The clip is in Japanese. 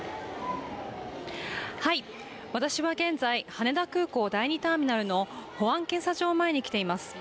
私は現在、羽田空港・第２ターミナルの保安検査場前に来ています。